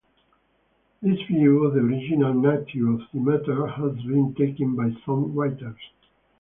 This view of the original nature of Demeter has been taken by some writers.